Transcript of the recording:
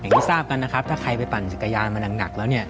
ที่ทราบกันนะครับถ้าใครไปปั่นจักรยานมาหนักแล้วเนี่ย